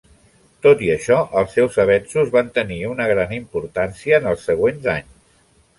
Tot i això, els seus avenços van tenir una gran importància en els següents anys.